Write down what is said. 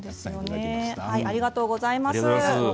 ありがとうございます。